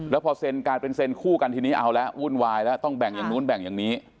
แล้วพอเซ็นการเป็นเซ็นคู่กันทีนี้เอาแล้ววุ่นวายแล้วต้องแบ่งอย่างนู้นแบ่งอย่างนี้